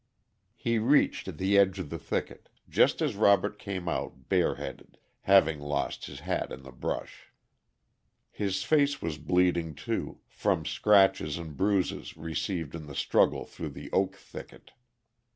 He reached the edge of the thicket just as Robert came out bare headed, having lost his hat in the brush. His face was bleeding, too, from scratches and bruises received in the struggle through the oak thicket.